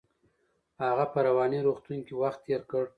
هغه په رواني روغتون کې وخت تیر کړ.